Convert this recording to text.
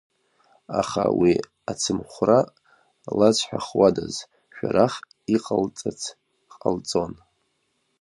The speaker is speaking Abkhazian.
Аха уи ацымхәра лазҳәахуадаз, Шәарах иҟалҵац ҟалҵон.